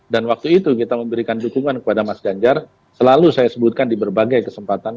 dan waktu itu kita memberikan dukungan kepada mas ganjar selalu saya sebutkan di berbagai kesempatan